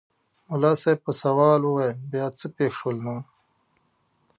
ملا صاحب په سوال وویل بیا څه پېښ شول نو؟